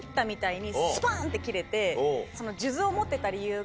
スパっ！て切れて。